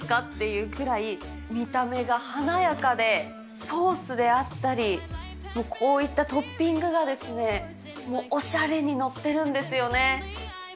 っていうくらい、見た目が華やかで、ソースであったり、こういったトッピングがもうおしゃれに載ってるんですよね。